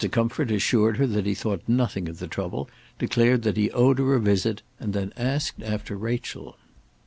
Comfort assured her that he thought nothing of the trouble, declared that he owed her a visit, and then asked after Rachel.